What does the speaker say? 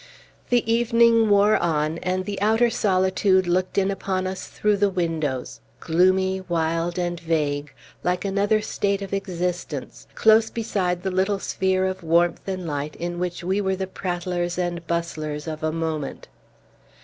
The evening wore on, and the outer solitude looked in upon us through the windows, gloomy, wild, and vague, like another state of existence, close beside the little sphere of warmth and light in which we were the prattlers and bustlers of a moment.